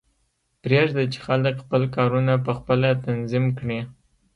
پریږده چې خلک خپل کارونه پخپله تنظیم کړي